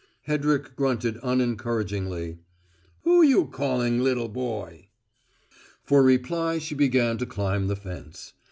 Hedrick grunted unencouragingly. "Who you callin' `little boy'?" For reply she began to climb the fence.